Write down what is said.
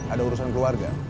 ada urusan keluarga